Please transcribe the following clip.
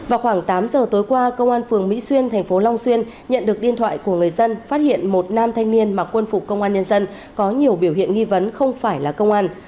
vào khoảng tám giờ tối qua công an phường mỹ xuyên thành phố long xuyên nhận được điện thoại của người dân phát hiện một nam thanh niên mà quân phục công an nhân dân có nhiều biểu hiện nghi vấn không phải là công an